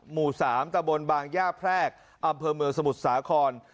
หมู่๓ตะบนบางย่าแพรกอำเภอเมืองสมุทรสาคร